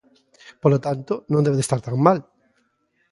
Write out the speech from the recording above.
Polo tanto, non debe estar tan mal.